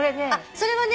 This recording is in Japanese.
それはね